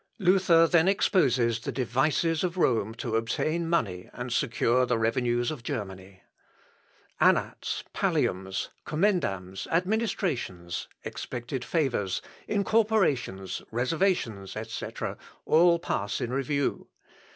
Luther then exposes the devices of Rome to obtain money and secure the revenues of Germany. Annats, palliums, commendams, administrations, expected favours, incorporations, reservations, etc., all pass in review.